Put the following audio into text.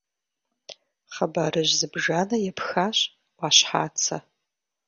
Хъыбарыжь зыбжанэ епхащ Ӏуащхьацэ.